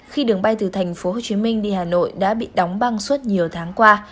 khi đường bay từ tp hcm đi hà nội đã bị đóng băng suốt nhiều tháng qua